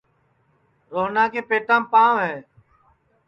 روہنا کے پیتام پانٚؤ ہے